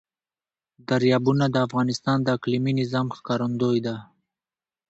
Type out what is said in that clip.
دریابونه د افغانستان د اقلیمي نظام ښکارندوی ده.